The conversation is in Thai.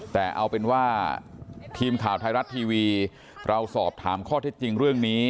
แต่เอาเป็นว่าทีมข่าวไทยรัฐทีวีเราสอบถามข้อเท็จจริงเรื่องนี้